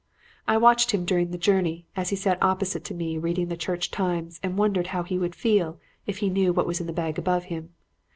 "I watched him during the journey as he sat opposite me reading the Church Times and wondered how he would feel if he knew what was in the bag above him.